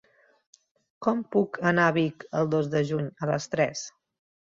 Com puc anar a Vic el dos de juny a les tres?